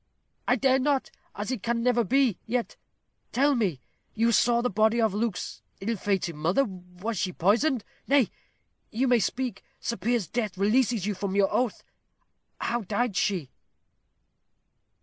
"I dare not, as it never can be; yet, tell me you saw the body of Luke's ill fated mother. Was she poisoned? Nay, you may speak. Sir Piers's death releases you from your oath. How died she?"